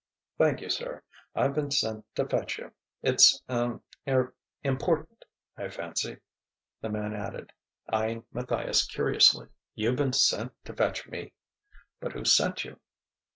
"Thank you, sir. I've been sent to fetch you. It's er important, I fancy," the man added, eyeing Matthias curiously. "You've been sent to fetch me? But who sent you?"